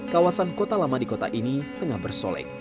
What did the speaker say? kawasan kota lama di kota ini tengah bersolek